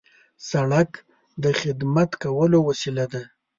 سړک د خدمت کولو وسیله ده.